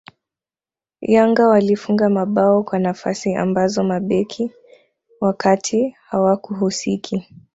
Yanga walifunga mabao kwa nafasi ambazo mabeki wa kati hawakuhusiki